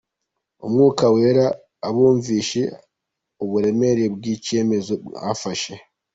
Umwuka Wera abumvishe uburemere bwi Icyemezo mwafashe.